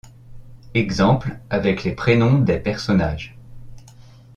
Exemple avec les prénoms des personnages.